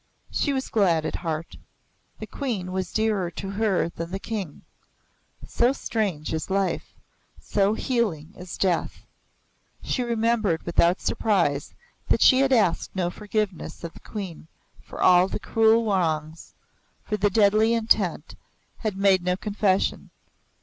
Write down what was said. She was glad at heart. The Queen was dearer to her than the King so strange is life; so healing is death. She remembered without surprise that she had asked no forgiveness of the Queen for all the cruel wrongs, for the deadly intent had made no confession.